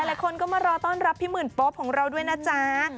หลายคนก็มารอต้อนรับพี่หมื่นโป๊ปของเราด้วยนะจ๊ะ